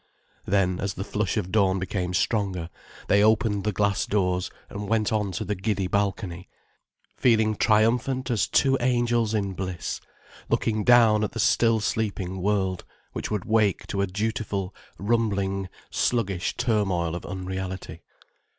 Then, as the flush of dawn became stronger, they opened the glass doors and went on to the giddy balcony, feeling triumphant as two angels in bliss, looking down at the still sleeping world, which would wake to a dutiful, rumbling, sluggish turmoil of unreality.